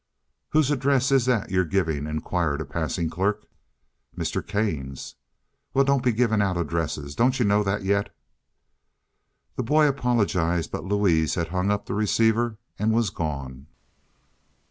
"Whose address is that you're giving?" inquired a passing clerk. "Mr. Kane's." "Well, don't be giving out addresses. Don't you know that yet?" The boy apologized, but Louise had hung up the receiver and was gone.